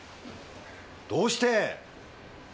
どうして！